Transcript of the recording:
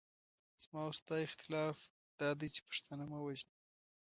زما او ستا اختلاف دادی چې پښتانه مه وژنه.